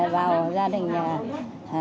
vào gia đình